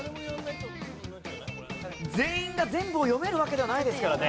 全員が全部を読めるわけではないですからね。